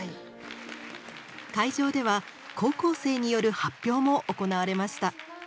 会場では高校生による発表も行われました。